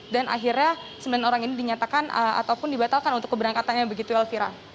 dan akhirnya sembilan orang ini dinyatakan ataupun dibatalkan untuk keberangkatannya begitu elvira